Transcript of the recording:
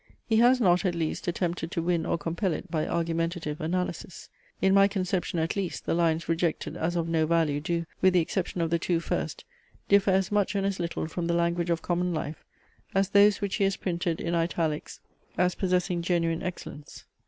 He has not, at least, attempted to win or compel it by argumentative analysis. In my conception at least, the lines rejected as of no value do, with the exception of the two first, differ as much and as little from the language of common life, as those which he has printed in italics as possessing genuine excellence.